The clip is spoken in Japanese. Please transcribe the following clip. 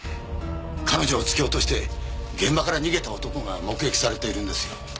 彼女を突き落として現場から逃げた男が目撃されているんですよ。